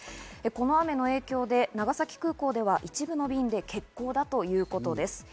この雨の影響で長崎空港では一部の便で欠航だということです。